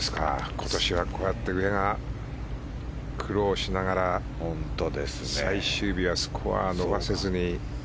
今年はこうやって上が苦労しながら最終日はスコアを伸ばせずに。